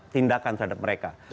tindakan terhadap mereka